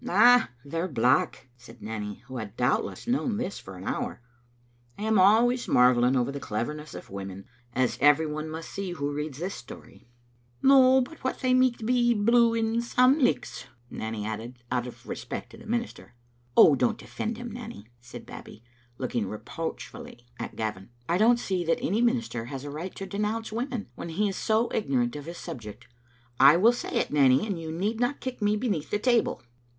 "Na, they're black," said Nanny, who had doubt less known this for an hour. I am always marvelling over the cleverness of women, as every one must see who reads this story. Digitized by VjOOQ IC 140 tSbc Xfttle Afntotet* "No but what they micht be blue in some lichts," Nanny added, out of respect to the minister. *• Oh, don't defend him, Nanny," said Babbie, looking reproachfully at Gavin. I don't see that any minister has a right to denounce women when he is so ignorant of his subject. I will say it, Nanny, and you need not kick me beneath the table."